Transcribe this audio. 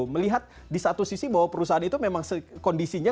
melihat di satu sisi bahwa perusahaan itu memang kondisinya